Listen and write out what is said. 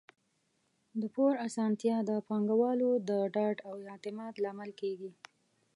د پور اسانتیا د پانګوالو د ډاډ او اعتماد لامل کیږي.